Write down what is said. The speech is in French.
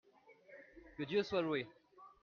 Que Dieu soit loué !